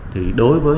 thì đối với